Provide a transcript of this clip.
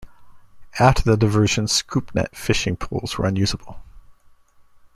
After the diversion, scoop-net fishing pools were unusable.